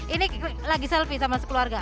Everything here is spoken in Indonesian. ini lagi selfie sama sekeluarga